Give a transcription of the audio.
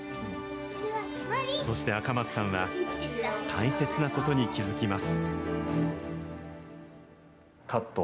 そして赤松さんは、大切なことに気付きます。